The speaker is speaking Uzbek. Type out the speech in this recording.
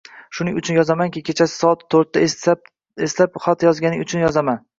Shuning uchun yozamanki, kechasi soat to’rtda eslab xat yozganing uchun yozaman